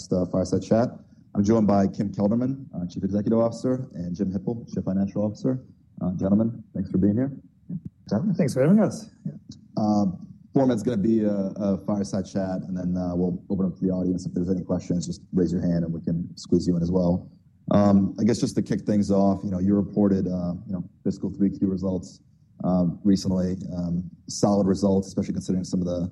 Stuff, fireside chat. I'm joined by Kim Kelderman, Chief Executive Officer, and Jim Hippel, Chief Financial Officer. Gentlemen, thanks for being here. Thanks for having us. Format's going to be a fireside chat, and then we'll open up to the audience. If there's any questions, just raise your hand, and we can squeeze you in as well. I guess just to kick things off, you reported fiscal Q3 results recently. Solid results, especially considering some of the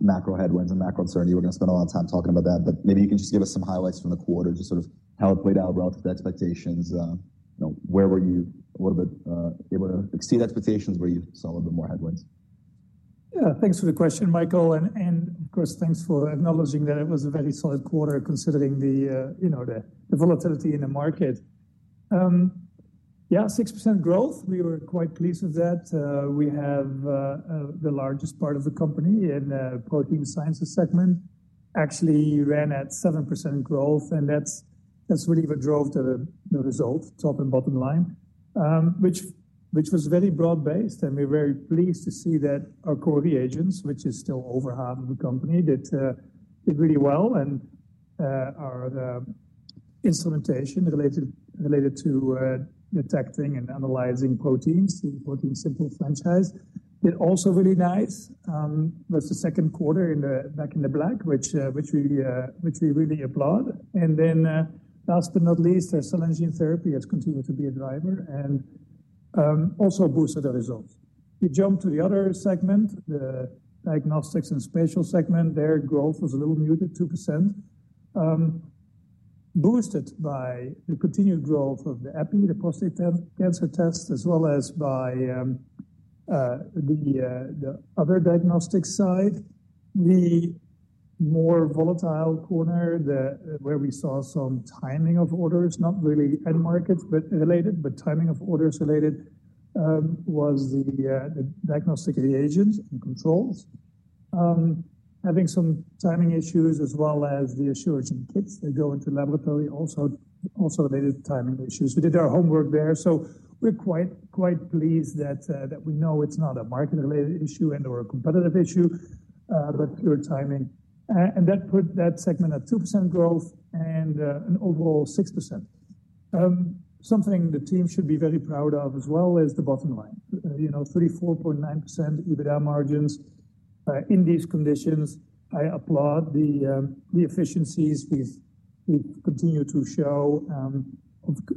macro headwinds and macro uncertainty. We're going to spend a lot of time talking about that, but maybe you can just give us some highlights from the quarter, just sort of how it played out relative to expectations. Where were you a little bit able to exceed expectations? Were you seeing a little bit more headwinds? Yeah, thanks for the question, Michael. Of course, thanks for acknowledging that it was a very solid quarter considering the volatility in the market. Yeah, 6% growth. We were quite pleased with that. We have the largest part of the company in the protein science segment. Actually ran at 7% growth, and that's really what drove the result, top and bottom line, which was very broad-based. We are very pleased to see that our core reagents, which is still over half of the company, did really well. Our instrumentation related to detecting and analyzing proteins, the ProteinSimple franchise, did also really nice. That's the second quarter back in the black, which we really applaud. Last but not least, our cell and gene therapy has continued to be a driver and also boosted the results. We jumped to the other segment, the diagnostics and spatial segment Their growth was a little muted, 2%, boosted by the continued growth of the EPI, the prostate cancer tests, as well as by the other diagnostic side. The more volatile corner, where we saw some timing of orders, not really end markets, but related, but timing of orders related, was the diagnostic reagents and controls. Having some timing issues as well as the assurance and kits that go into laboratory also related to timing issues. We did our homework there. We're quite pleased that we know it's not a market-related issue and/or a competitive issue, but pure timing. That put that segment at 2% growth and an overall 6%. Something the team should be very proud of as well is the bottom line. 34.9% EBITDA margins in these conditions. I applaud the efficiencies we've continued to show,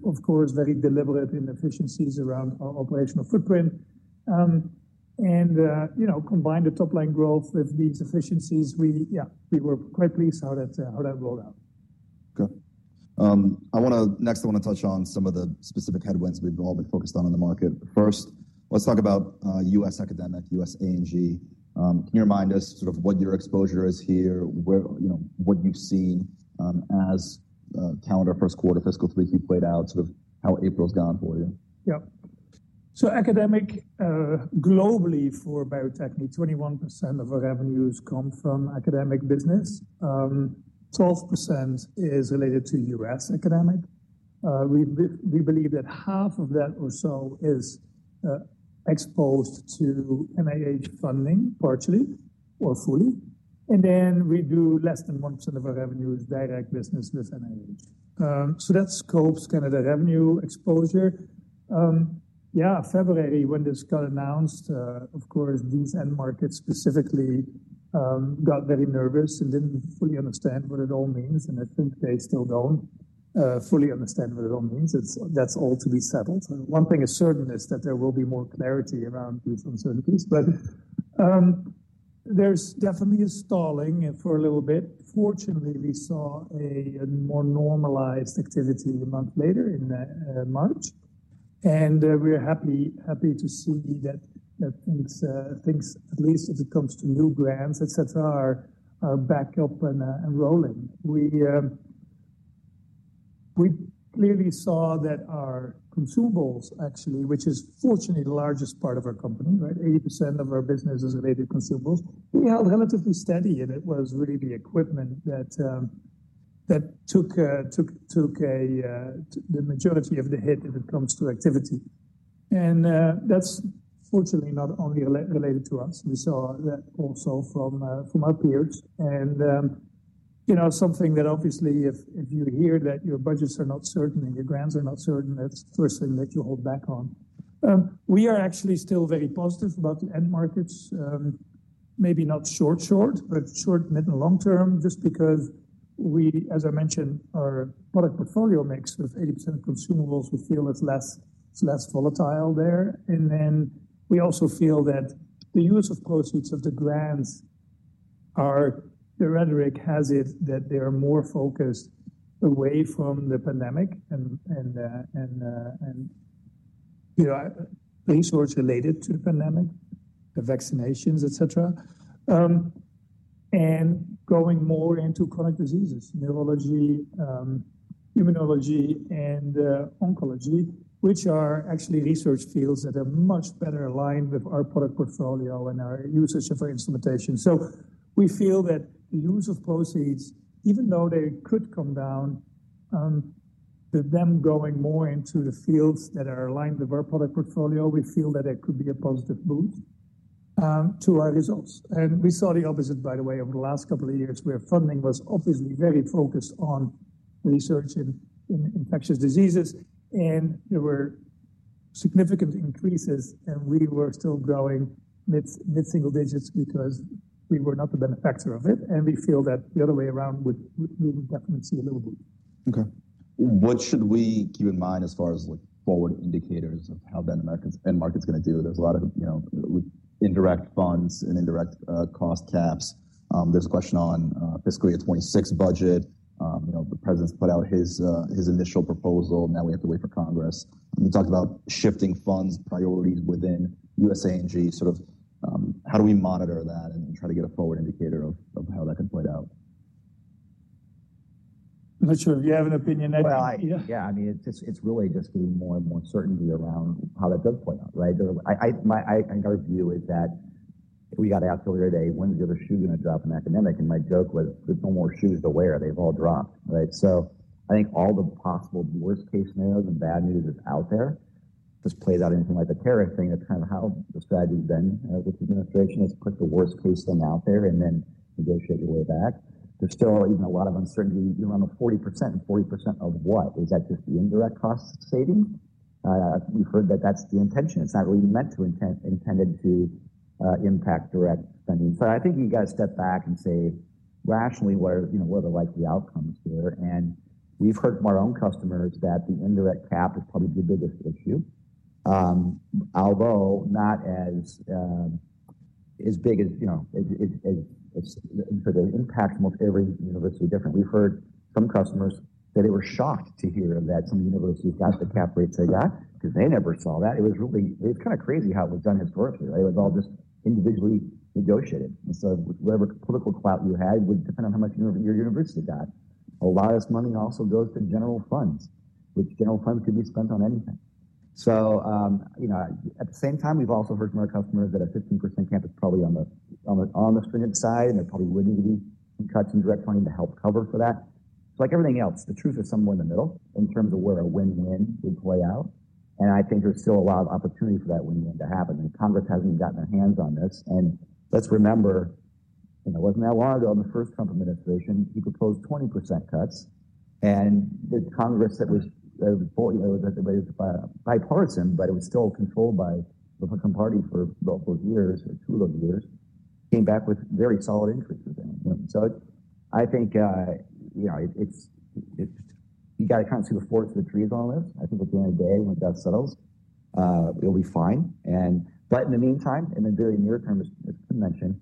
of course, very deliberate in efficiencies around our operational footprint. Combined the top-line growth with these efficiencies, yeah, we were quite pleased how that rolled out. Okay. Next, I want to touch on some of the specific headwinds we've all been focused on in the market. First, let's talk about U.S. academic, U.S. A&G. Can you remind us sort of what your exposure is here, what you've seen as calendar first quarter fiscal Q3 played out, sort of how April's gone for you? Yeah. Academic globally for Bio-Techne, 21% of our revenues come from academic business. 12% is related to U.S. academic. We believe that half of that or so is exposed to NIH funding partially or fully. We do less than 1% of our revenue as direct business with NIH. That scopes kind of the revenue exposure. February when this got announced, of course, these end markets specifically got very nervous and did not fully understand what it all means. I think they still do not fully understand what it all means. That is all to be settled. One thing is certain is that there will be more clarity around these uncertainties. There is definitely a stalling for a little bit. Fortunately, we saw a more normalized activity a month later in March. We're happy to see that things, at least as it comes to new grants, etc., are back up and rolling. We clearly saw that our consumables, actually, which is fortunately the largest part of our company, right? 80% of our business is related to consumables. We held relatively steady, and it was really the equipment that took the majority of the hit if it comes to activity. That's fortunately not only related to us. We saw that also from our peers. Something that obviously, if you hear that your budgets are not certain and your grants are not certain, that's the first thing that you hold back on. We are actually still very positive about the end markets. Maybe not short-short, but short, mid, and long-term, just because we, as I mentioned, our product portfolio mix of 80% consumables, we feel it's less volatile there. We also feel that the use of proceeds of the grants, the rhetoric has it that they are more focused away from the pandemic and resource-related to the pandemic, the vaccinations, etc., and going more into chronic diseases, neurology, immunology, and oncology, which are actually research fields that are much better aligned with our product portfolio and our usage of our instrumentation. We feel that the use of proceeds, even though they could come down, them going more into the fields that are aligned with our product portfolio, we feel that there could be a positive boost to our results. We saw the opposite, by the way, over the last couple of years. Where funding was obviously very focused on research in infectious diseases, and there were significant increases, and we were still growing mid-single digits because we were not the benefactor of it. We feel that the other way around, we would definitely see a little boost. Okay. What should we keep in mind as far as forward indicators of how the end market's going to do? There's a lot of indirect funds and indirect cost caps. There's a question on fiscally a 2026 budget. The president's put out his initial proposal, and now we have to wait for Congress. You talked about shifting funds priorities within U.S. A&G. Sort of how do we monitor that and try to get a forward indicator of how that can play out? I'm not sure if you have an opinion on that. Yeah, I mean, it's really just getting more and more certainty around how that does play out, right? I think our view is that we got to ask earlier today, when's the other shoe going to drop in academic? And my joke was, there's no more shoes to wear. They've all dropped, right? I think all the possible worst-case scenarios and bad news is out there. Just play out anything like the tariff thing, that's kind of how the strategy has been with the administration, is put the worst-case thing out there and then negotiate your way back. There's still even a lot of uncertainty around the 40% and 40% of what? Is that just the indirect cost saving? We've heard that that's the intention. It's not really meant to intended to impact direct spending. I think you got to step back and say, rationally, what are the likely outcomes here? We've heard from our own customers that the indirect cap is probably the biggest issue, although not as big as sort of impact most every university different. We've heard some customers that they were shocked to hear that some universities got the cap rates they got because they never saw that. It was kind of crazy how it was done historically, right? It was all just individually negotiated. Whatever political clout you had would depend on how much your university got. A lot of this money also goes to general funds, which general funds could be spent on anything. At the same time, we've also heard from our customers that a 15% cap is probably on the stringent side, and there probably would need to be some cuts in direct funding to help cover for that. Like everything else, the truth is somewhere in the middle in terms of where a win-win would play out. I think there's still a lot of opportunity for that win-win to happen. Congress hasn't even gotten their hands on this. Let's remember, it wasn't that long ago in the first Trump administration, he proposed 20% cuts. The Congress that was bipartisan, but it was still controlled by the Republican Party for a couple of years or two of those years, came back with very solid increases. I think you got to kind of see the forest for the trees on this. I think at the end of the day, when that settles, it'll be fine. In the meantime, in the very near term, as Kim mentioned,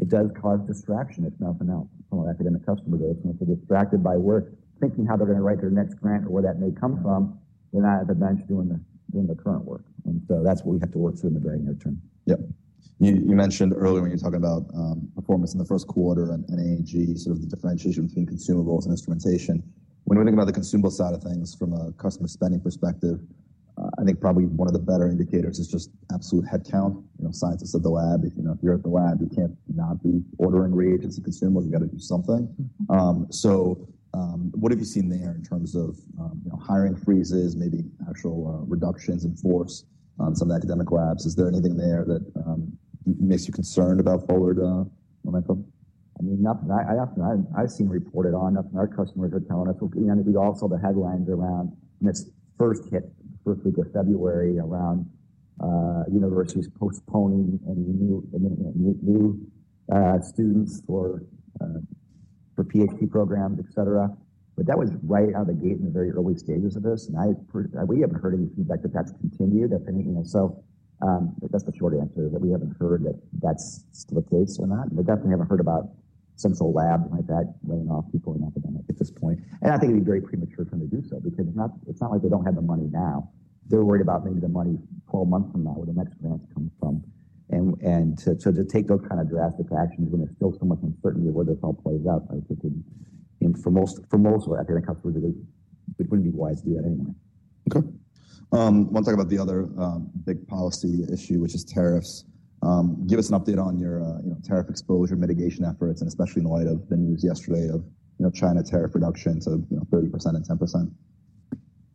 it does cause distraction, if nothing else. Some of our academic customers are distracted by work, thinking how they're going to write their next grant or where that may come from, they're not as advanced doing the current work. That's what we have to work through in the very near term. Yeah. You mentioned earlier when you were talking about performance in the first quarter and A&G, sort of the differentiation between consumables and instrumentation. When we're thinking about the consumable side of things from a customer spending perspective, I think probably one of the better indicators is just absolute headcount, scientists at the lab. If you're at the lab, you can't not be ordering reagents and consumables. You got to do something. What have you seen there in terms of hiring freezes, maybe actual reductions in force on some of the academic labs? Is there anything there that makes you concerned about forward momentum? I mean, I've seen reported on our customers are telling us, and we also saw the headlines around this first hit, first week of February, around universities postponing new students for PhD programs, etc. That was right out of the gate in the very early stages of this. We haven't heard any feedback that that's continued. That's the short answer, that we haven't heard that that's still the case or not. We definitely haven't heard about central labs like that laying off people in academic at this point. I think it'd be very premature for them to do so because it's not like they don't have the money now. They're worried about maybe the money 12 months from now where the next grants come from. To take those kind of drastic actions when there's still so much uncertainty of where this all plays out, I think for most of our academic customers, it wouldn't be wise to do that anyway. Okay. I want to talk about the other big policy issue, which is tariffs. Give us an update on your tariff exposure mitigation efforts, and especially in light of the news yesterday of China tariff reductions of 30% and 10%.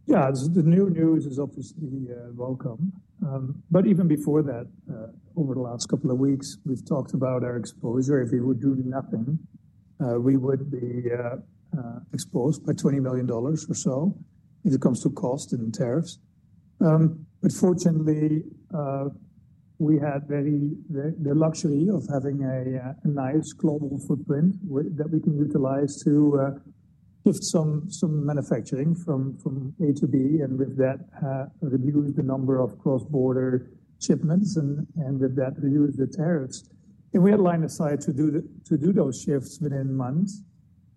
Yeah, the new news is obviously welcome. Even before that, over the last couple of weeks, we've talked about our exposure. If we would do nothing, we would be exposed by $20 million or so when it comes to cost and tariffs. Fortunately, we had the luxury of having a nice global footprint that we can utilize to shift some manufacturing from A to B and with that reduce the number of cross-border shipments and with that reduce the tariffs. We had line of sight to do those shifts within months.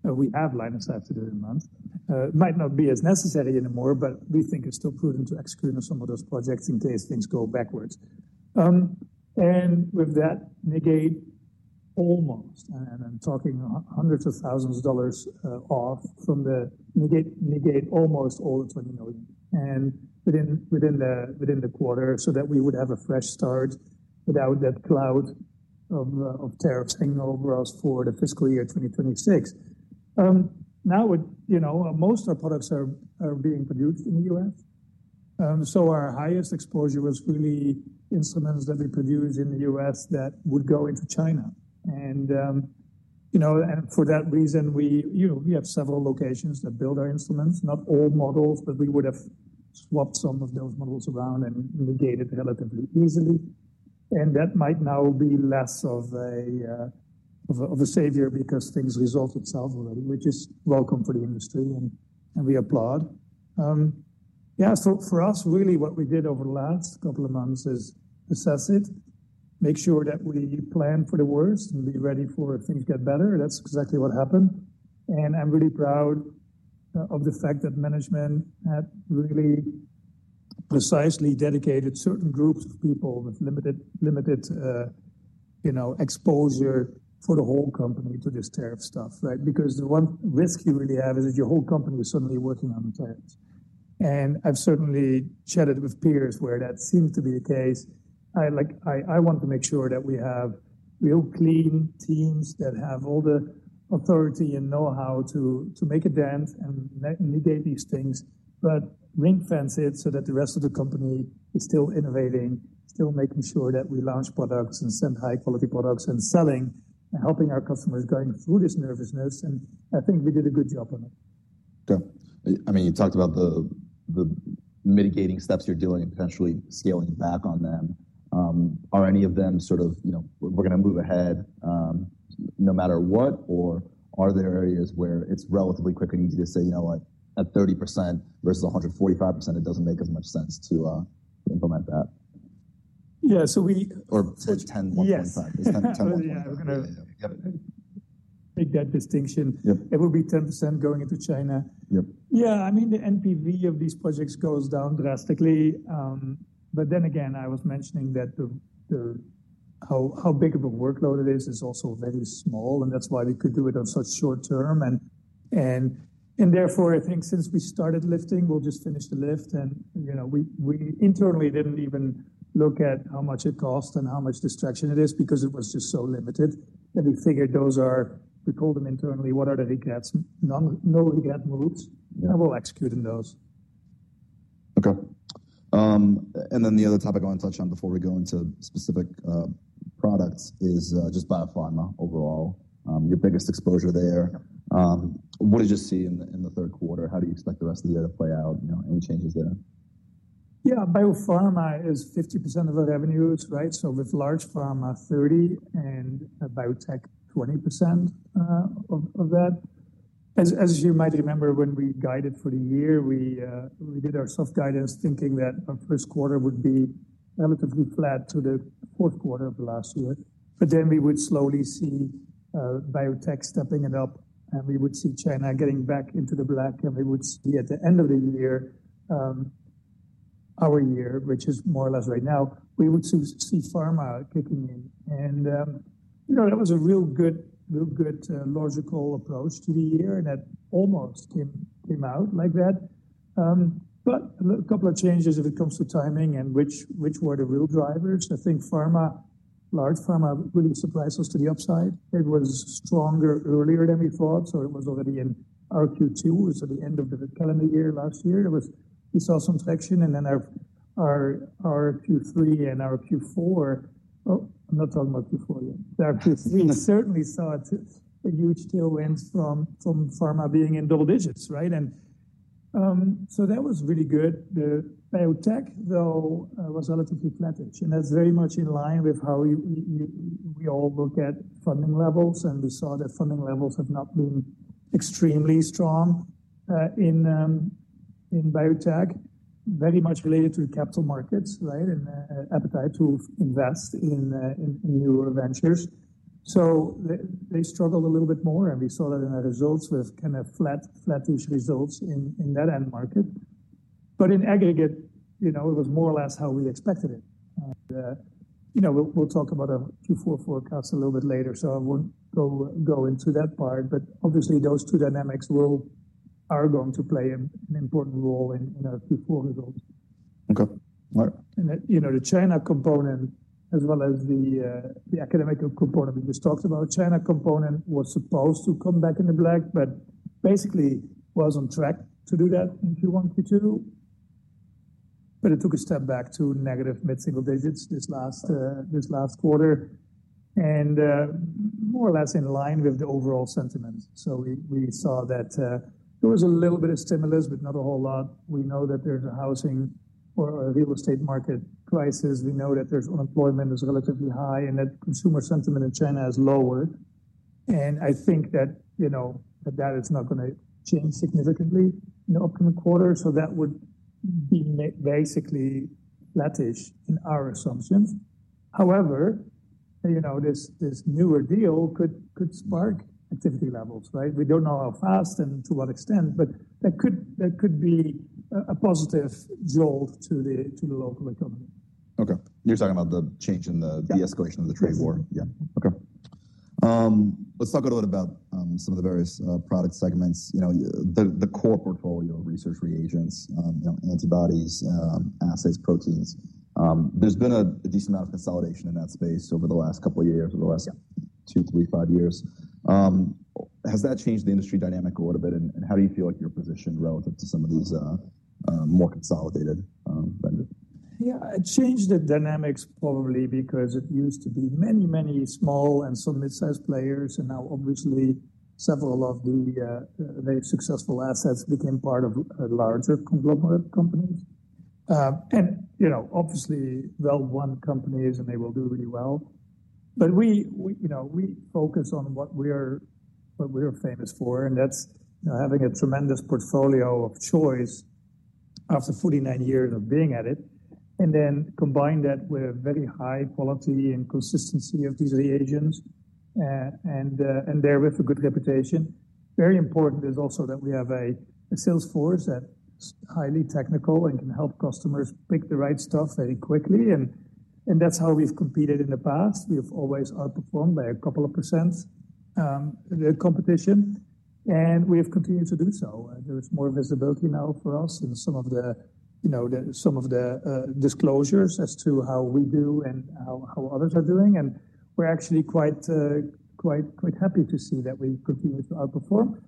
We have line of sight to do it in months. It might not be as necessary anymore, but we think it's still prudent to exclude some of those projects in case things go backwards. With that, negate almost, and I'm talking hundreds of thousands of dollars off from the negate almost all the $20 million within the quarter so that we would have a fresh start without that cloud of tariffs hanging over us for the fiscal year 2026. Now, most of our products are being produced in the U.S. Our highest exposure was really instruments that we produce in the U.S. that would go into China. For that reason, we have several locations that build our instruments, not all models, but we would have swapped some of those models around and negated relatively easily. That might now be less of a savior because things resulted south already, which is welcome for the industry, and we applaud. Yeah, so for us, really, what we did over the last couple of months is assess it, make sure that we plan for the worst and be ready for if things get better. That is exactly what happened. I am really proud of the fact that management had really precisely dedicated certain groups of people with limited exposure for the whole company to this tariff stuff, right? The one risk you really have is that your whole company is suddenly working on the tariffs. I have certainly chatted with peers where that seems to be the case. I want to make sure that we have real clean teams that have all the authority and know-how to make a dent and negate these things, but ring-fence it so that the rest of the company is still innovating, still making sure that we launch products and send high-quality products and selling and helping our customers going through this nervousness. I think we did a good job on it. Okay. I mean, you talked about the mitigating steps you're doing and potentially scaling back on them. Are any of them sort of, we're going to move ahead no matter what, or are there areas where it's relatively quick and easy to say, you know what, at 30% versus 145%, it doesn't make as much sense to implement that? Yeah, so we. Or 10, 1.5? Yes. 10, 1.5. Yeah, we're going to make that distinction. It will be 10% going into China. Yep. Yeah, I mean, the NPV of these projects goes down drastically. I was mentioning that how big of a workload it is, it's also very small, and that's why we could do it on such short term. Therefore, I think since we started lifting, we'll just finish the lift. We internally didn't even look at how much it costs and how much distraction it is because it was just so limited. We figured those are, we called them internally, what are the no-regret moves? We'll execute on those. Okay. The other topic I want to touch on before we go into specific products is just biopharma overall, your biggest exposure there. What did you see in the third quarter? How do you expect the rest of the year to play out? Any changes there? Yeah, bio-pharma is 50% of the revenues, right? With large pharma, 30%, and biotech, 20% of that. As you might remember, when we guided for the year, we did our soft guidance thinking that our first quarter would be relatively flat to the fourth quarter of last year. We would slowly see biotech stepping it up, and we would see China getting back into the black, and we would see at the end of the year, our year, which is more or less right now, we would see pharma kicking in. That was a real good logical approach to the year that almost came out like that. A couple of changes if it comes to timing and which were the real drivers. I think pharma, large pharma really surprised us to the upside. It was stronger earlier than we thought, so it was already in Q2, so the end of the calendar year last year. We saw some traction, and then our Q3 and our Q4, oh, I'm not talking about Q4 yet. Our Q3 certainly saw a huge tailwind from pharma being in double digits, right? That was really good. The biotech, though, was relatively flattish, and that's very much in line with how we all look at funding levels, and we saw that funding levels have not been extremely strong in biotech, very much related to capital markets, right, and appetite to invest in new ventures. They struggled a little bit more, and we saw that in the results with kind of flattish results in that end market. In aggregate, it was more or less how we expected it. We'll talk about a Q4 forecast a little bit later, so I won't go into that part, but obviously, those two dynamics are going to play an important role in our Q4 results. Okay. All right. The China component, as well as the academic component we just talked about, China component was supposed to come back in the black, but basically was on track to do that in Q1, Q2. It took a step back to negative mid-single digits this last quarter, and more or less in line with the overall sentiment. We saw that there was a little bit of stimulus, but not a whole lot. We know that there is a housing or a real estate market crisis. We know that there is unemployment that is relatively high, and that consumer sentiment in China has lowered. I think that is not going to change significantly in the upcoming quarter. That would be basically flattish in our assumptions. However, this newer deal could spark activity levels, right? We don't know how fast and to what extent, but that could be a positive jolt to the local economy. Okay. You're talking about the change in the de-escalation of the trade war? Yeah. Yeah. Okay. Let's talk a little bit about some of the various product segments, the core portfolio of research reagents, antibodies, assays, proteins. There's been a decent amount of consolidation in that space over the last couple of years, over the last two, three, five years. Has that changed the industry dynamic a little bit, and how do you feel like your position relative to some of these more consolidated vendors? Yeah, it changed the dynamics probably because it used to be many, many small and some mid-sized players, and now obviously, several of the very successful assets became part of larger conglomerate companies. Obviously, well-run companies, and they will do really well. We focus on what we are famous for, and that's having a tremendous portfolio of choice after 49 years of being at it, and then combine that with very high quality and consistency of these reagents, and therewith a good reputation. Very important is also that we have a sales force that's highly technical and can help customers pick the right stuff very quickly. That's how we've competed in the past. We've always outperformed by a couple of percent of the competition, and we have continued to do so. Is more visibility now for us in some of the disclosures as to how we do and how others are doing. We are actually quite happy to see that we continue to outperform.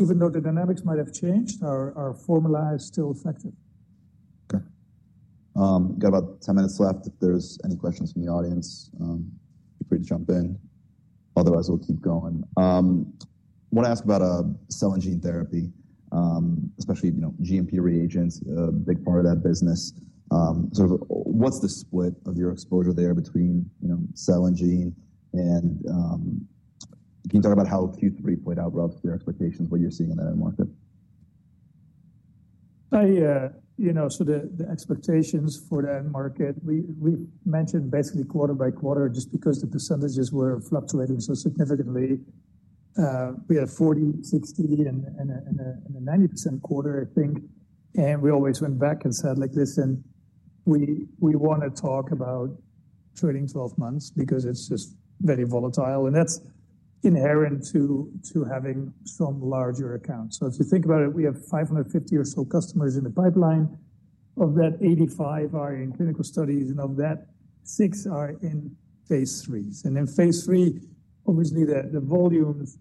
Even though the dynamics might have changed, our formula is still effective. Okay. Got about 10 minutes left. If there's any questions from the audience, feel free to jump in. Otherwise, we'll keep going. I want to ask about cell and gene therapy, especially GMP reagents, a big part of that business. So what's the split of your exposure there between cell and gene? And can you talk about how Q3 played out relative to your expectations, what you're seeing in that end market? The expectations for that market, we mentioned basically quarter by quarter just because the percentages were fluctuating so significantly. We had a 40%, 60%, and a 90% quarter, I think. We always went back and said like this, and we want to talk about trailing 12 months because it is just very volatile, and that is inherent to having some larger accounts. If you think about it, we have 550 or so customers in the pipeline. Of that, 85 are in clinical studies, and of that, 6 are in phase III. In phase III, obviously, the volumes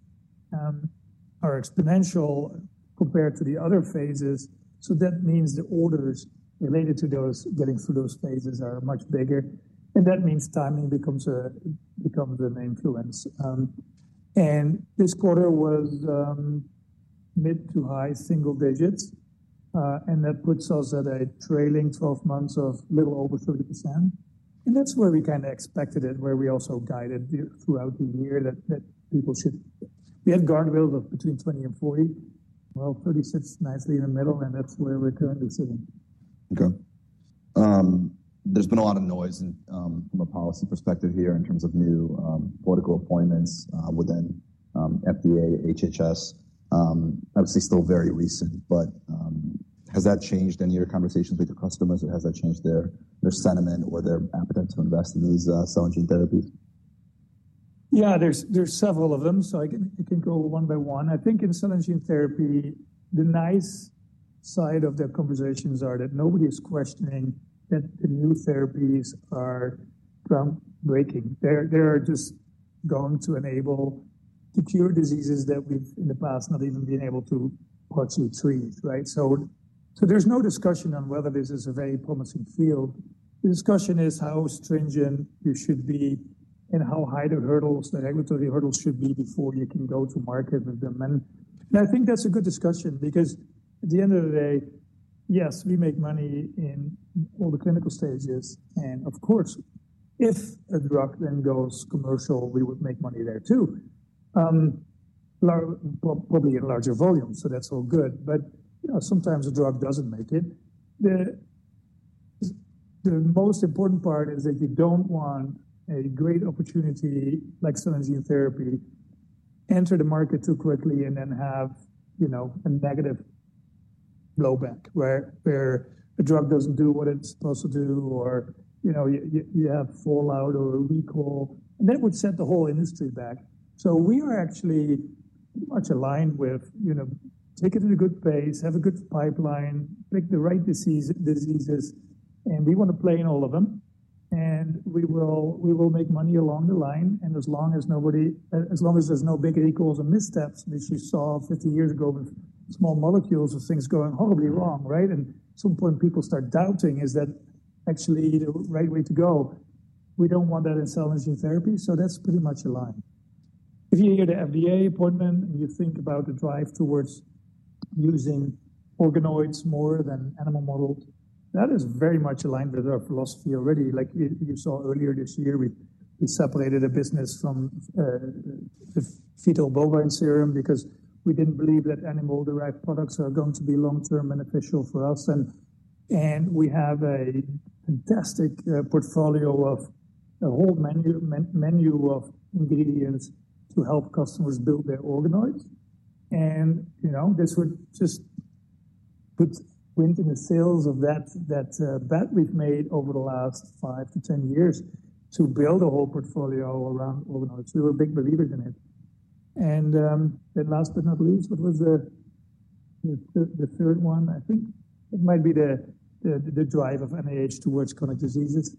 are exponential compared to the other phases. That means the orders related to those getting through those phases are much bigger. That means timing becomes the main fluence. This quarter was mid to high single digits, and that puts us at a trailing 12 months of a little over 30%. That is where we kind of expected it, where we also guided throughout the year that people should. We had guardrails of between 20%-40%. Thirty sits nicely in the middle, and that is where we are currently sitting. Okay. There's been a lot of noise from a policy perspective here in terms of new political appointments within FDA, HHS. Obviously, still very recent, but has that changed any of your conversations with your customers, or has that changed their sentiment or their appetite to invest in these cell and gene therapies? Yeah, there's several of them, so I can go one by one. I think in cell and gene therapy, the nice side of the conversations are that nobody is questioning that the new therapies are groundbreaking. They are just going to enable the cure diseases that we've in the past not even been able to partially treat, right? There is no discussion on whether this is a very promising field. The discussion is how stringent you should be and how high the regulatory hurdles should be before you can go to market with them. I think that's a good discussion because at the end of the day, yes, we make money in all the clinical stages. Of course, if a drug then goes commercial, we would make money there too, probably in larger volumes, so that's all good. Sometimes a drug doesn't make it. The most important part is that you don't want a great opportunity like cell and gene therapy to enter the market too quickly and then have a negative blowback where a drug doesn't do what it's supposed to do or you have fallout or recall. That would set the whole industry back. We are actually much aligned with take it in a good pace, have a good pipeline, pick the right diseases, and we want to play in all of them. We will make money along the line. As long as nobody, as long as there's no big recalls and missteps, which we saw 50 years ago with small molecules of things going horribly wrong, right? At some point, people start doubting, is that actually the right way to go? We don't want that in cell and gene therapy, so that's pretty much aligned. If you hear the FDA appointment and you think about the drive towards using organoids more than animal models, that is very much aligned with our philosophy already. Like you saw earlier this year, we separated a business from the fetal bovine serum because we did not believe that animal-derived products are going to be long-term beneficial for us. We have a fantastic portfolio of a whole menu of ingredients to help customers build their organoids. This would just put wind in the sails of that bet we have made over the last 5-10 years to build a whole portfolio around organoids. We were big believers in it. Last but not least, what was the third one? I think it might be the drive of NIH towards chronic diseases.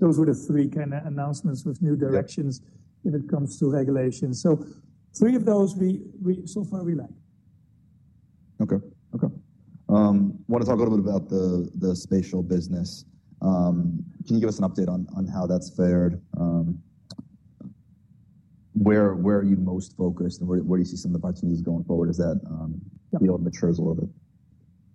Those were the three kind of announcements with new directions when it comes to regulation. Three of those so far we like. Okay. Okay. I want to talk a little bit about the spatial business. Can you give us an update on how that's fared? Where are you most focused and where do you see some of the opportunities going forward as that field matures a little bit?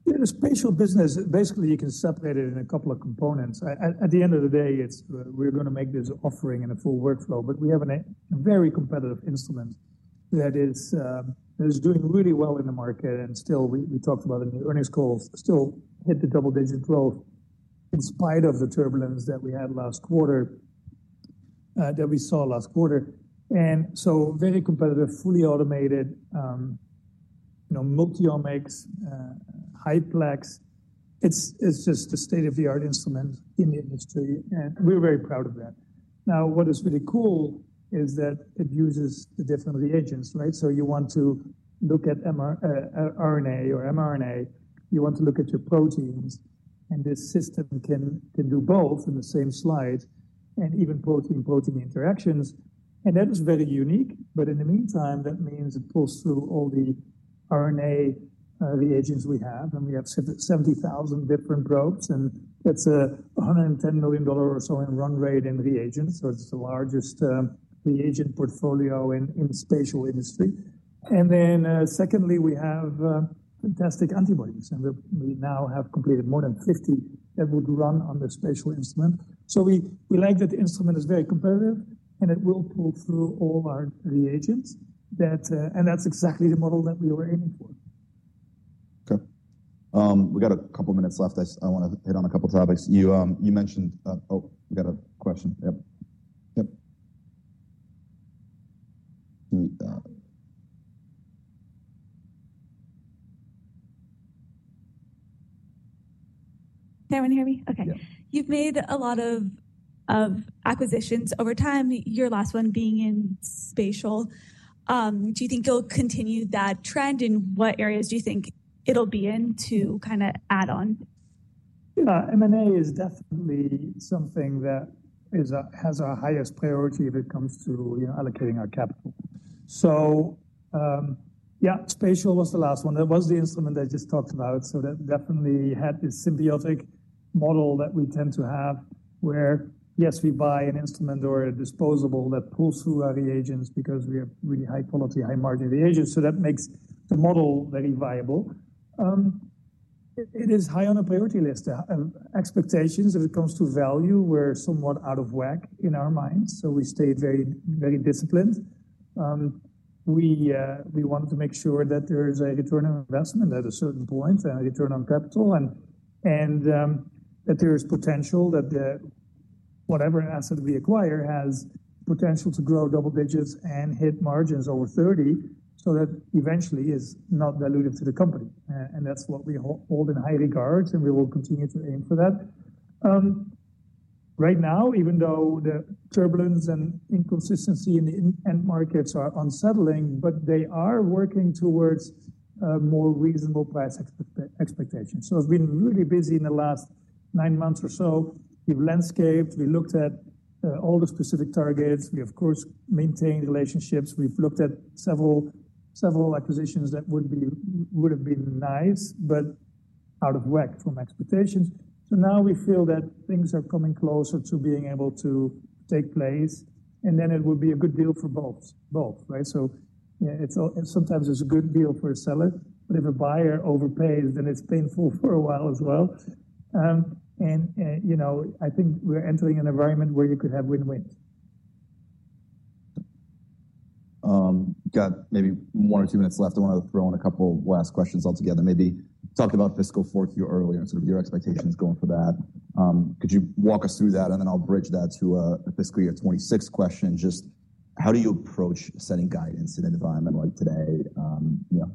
Yeah, the spatial business, basically, you can separate it in a couple of components. At the end of the day, we're going to make this offering in a full workflow, but we have a very competitive instrument that is doing really well in the market. We talked about in the earnings calls, still hit the double-digit growth in spite of the turbulence that we had last quarter that we saw last quarter. Very competitive, fully automated, multi-omics, high-plex. It's just the state-of-the-art instrument in the industry, and we're very proud of that. Now, what is really cool is that it uses the different reagents, right? You want to look at RNA or mRNA. You want to look at your proteins, and this system can do both in the same slide and even protein-protein interactions. That is very unique, but in the meantime, that means it pulls through all the RNA reagents we have, and we have 70,000 different probes, and that is a $110 million or so in run rate in reagents. It is the largest reagent portfolio in the spatial industry. Secondly, we have fantastic antibodies, and we now have completed more than 50 that would run on the spatial instrument. We like that the instrument is very competitive, and it will pull through all our reagents, and that is exactly the model that we were aiming for. Okay. We got a couple of minutes left. I want to hit on a couple of topics. You mentioned, oh, we got a question. Yep. Yep. Can everyone hear me? Okay. You've made a lot of acquisitions over time, your last one being in spatial. Do you think you'll continue that trend, and what areas do you think it'll be in to kind of add on? Yeah, M&A is definitely something that has our highest priority when it comes to allocating our capital. Yeah, spatial was the last one. That was the instrument I just talked about. That definitely had this symbiotic model that we tend to have where, yes, we buy an instrument or a disposable that pulls through our reagents because we have really high-quality, high-margin reagents. That makes the model very viable. It is high on the priority list. Expectations when it comes to value were somewhat out of whack in our minds, so we stayed very disciplined. We wanted to make sure that there is a return on investment at a certain point and a return on capital and that there is potential that whatever asset we acquire has potential to grow double digits and hit margins over 30% so that eventually is not diluted to the company. That is what we hold in high regard, and we will continue to aim for that. Right now, even though the turbulence and inconsistency in the end markets are unsettling, they are working towards more reasonable price expectations. We have been really busy in the last nine months or so. We have landscaped. We looked at all the specific targets. We, of course, maintained relationships. We have looked at several acquisitions that would have been nice, but out of whack from expectations. Now we feel that things are coming closer to being able to take place, and it would be a good deal for both, right? Sometimes it is a good deal for a seller, but if a buyer overpays, then it is painful for a while as well. I think we are entering an environment where you could have win-win. Got maybe one or two minutes left. I want to throw in a couple of last questions altogether. Maybe talked about fiscal force here earlier, sort of your expectations going for that. Could you walk us through that, and then I'll bridge that to a fiscal year 2026 question. Just how do you approach setting guidance in an environment like today?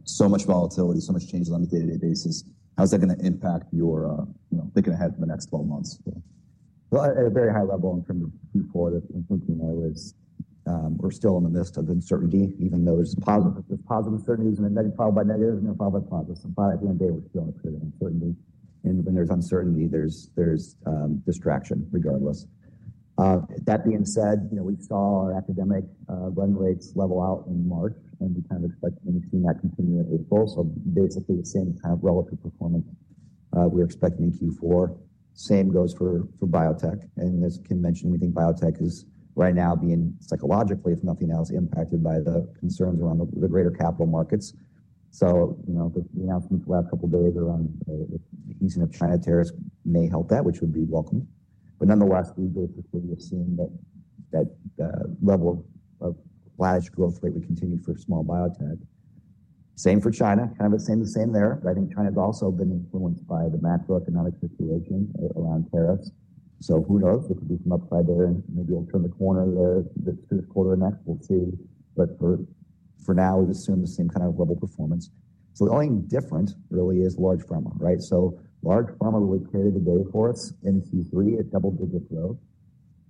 So much volatility, so much change on a day-to-day basis. How's that going to impact your thinking ahead for the next 12 months? At a very high level in terms of Q4, I think we're still in the midst of uncertainty, even though there's positive uncertainties and then followed by negatives and then followed by positives. At the end of the day, we're still in uncertainty. And when there's uncertainty, there's distraction regardless. That being said, we saw our academic run rates level out in March, and we kind of expect to continue that continuing in April. Basically the same kind of relative performance we're expecting in Q4. Same goes for biotech. As Kim mentioned, we think biotech is right now being psychologically, if nothing else, impacted by the concerns around the greater capital markets. The announcement the last couple of days around the easing of China tariffs may help that, which would be welcome. Nonetheless, we've seen that level of large growth rate we continue for small biotech. Same for China, kind of the same there, but I think China's also been influenced by the macroeconomic situation around tariffs. Who knows? It could be from upside there, and maybe it'll turn the corner there this quarter next. We'll see. For now, we assume the same kind of level of performance. The only difference really is large pharma, right? Large pharma really carried the day for us in Q3 at double-digit growth.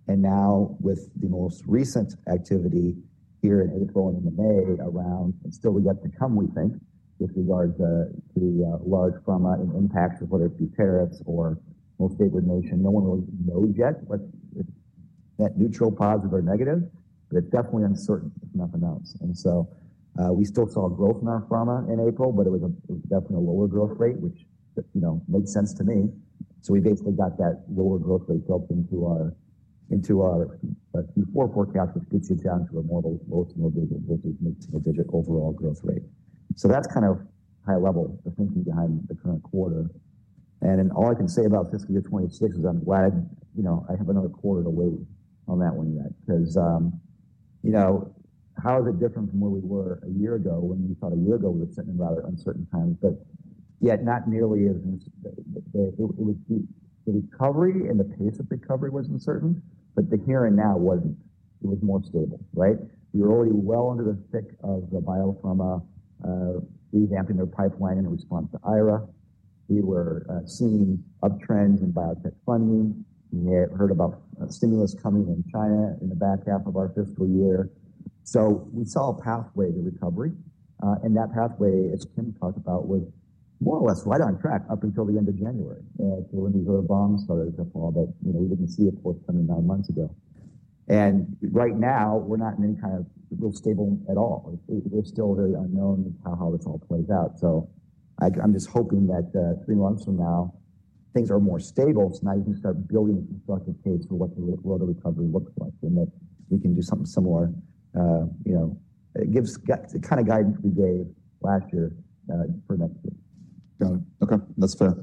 Now with the most recent activity here in April and in May around, and still we got to come, we think, with regard to large pharma and impacts of whether it be tariffs or most favorite nation, no one really knows yet what's that neutral, positive, or negative, but it's definitely uncertain if nothing else. We still saw growth in our pharma in April, but it was definitely a lower growth rate, which made sense to me. We basically got that lower growth rate built into our Q4 forecast, which gets you down to a more low to no digit overall growth rate. That's kind of high level of thinking behind the current quarter. All I can say about fiscal year 2026 is I'm glad I have another quarter to wait on that one yet because how is it different from where we were a year ago when we thought a year ago we were sitting in rather uncertain times, but yet not nearly as the recovery and the pace of recovery was uncertain, but the here and now was not. It was more stable, right? We were already well under the thick of the bio-pharma revamping their pipeline in response to IRA. We were seeing uptrends in biotech funding. We heard about stimulus coming in China in the back half of our fiscal year. We saw a pathway to recovery, and that pathway, as Kim talked about, was more or less right on track up until the end of January. When these other bombs started to fall, but we did not see it, of course, coming nine months ago. Right now, we are not in any kind of real stable at all. We are still very unknown as to how this all plays out. I am just hoping that three months from now, things are more stable so now you can start building a constructive case for what the road to recovery looks like and that we can do something similar. It gives kind of guidance we gave last year for next year. Got it. Okay. That is fair.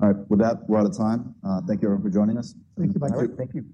All right. With that, we are out of time. Thank you everyone for joining us. Thank you, Michael. Thank you.